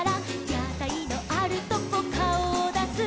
「やたいのあるとこかおをだす」